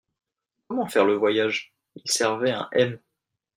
Comment faire le voyage ? Il servait un M.